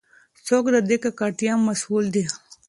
څوک د دې ککړتیا مسؤل دی؟